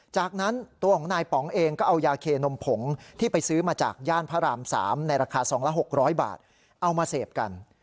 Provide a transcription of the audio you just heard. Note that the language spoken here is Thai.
จากนั้นตัวของนายป๋องเองก็เอายาเคนมผงที่ไปซื้อมาจากย่านพระราม๓ในราคาซองละ๖๐๐บาทเอามาเสพกัน